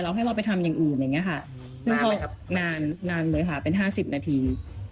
เราให้เราไปทำอย่างอื่นนานเลยค่ะเป็น๕๐นาที